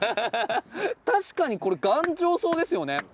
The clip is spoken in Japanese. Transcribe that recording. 確かにこれ頑丈そうですよね。